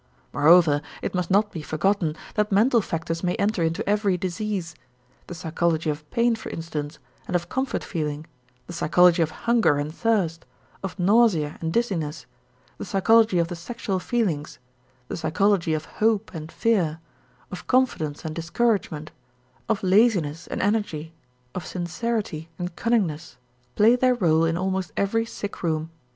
Moreover it must not be forgotten that mental factors may enter into every disease. The psychology of pain, for instance, and of comfort feeling, the psychology of hunger and thirst, of nausea and dizziness, the psychology of the sexual feelings, the psychology of hope and fear, of confidence and discouragement, of laziness and energy, of sincerity and cunningness play their rôle in almost every sick room.